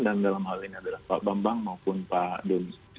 dan dalam hal ini adalah pak bambang maupun pak domi